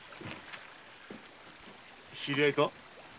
知り合いか？